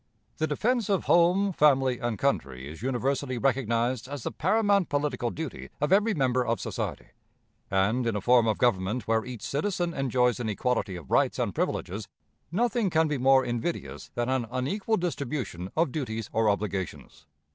The defense of home, family, and country is universally recognized as the paramount political duty of every member of society; and, in a form of government where each citizen enjoys an equality of rights and privileges, nothing can be more invidious than an unequal distribution of duties or obligations.